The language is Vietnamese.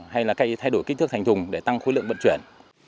hay là thay đổi kích thước thành thùng để tăng khối lượng vận chuyển